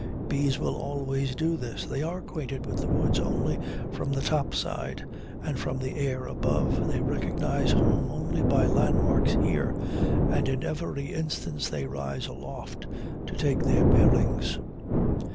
Bees will always do this. They are acquainted with the woods only from the top side, and from the air above; they recognize home only by landmarks here, and in every instance they rise aloft to take their bearings.